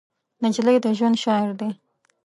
نجلۍ د ژوند شعر ده.